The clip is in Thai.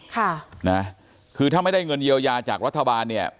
ค่ะนะคือถ้าไม่ได้เงินเยียวยาจากรัฐบาลเนี่ย